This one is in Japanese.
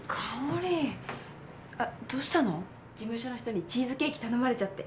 事務所の人にチーズケーキ頼まれちゃって。